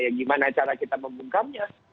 ya gimana cara kita membungkamnya